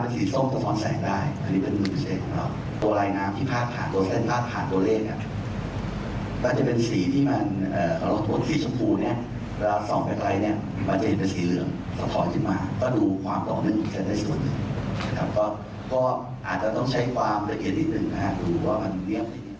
ก็อาจจะต้องใช้ความละเอียดอีกหนึ่งนะฮะดูว่ามันเรียบอย่างนี้